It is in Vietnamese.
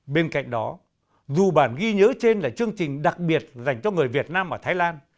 bên cạnh đó dù bản ghi nhớ trên là chương trình đặc biệt dành cho người việt nam ở thái lan